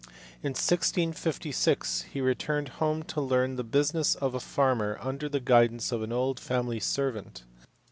In 1656 he returned home to learn the business of a farmer under the guidance of an old family servant.